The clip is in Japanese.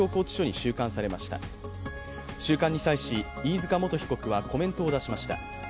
収監に際し、飯塚元被告はコメントを出しました。